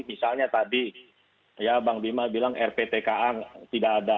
misalnya tadi ya bang bima bilang rptka tidak ada